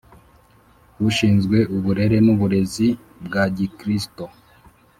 Ushinzwe uburere n uburezi bwa gikristo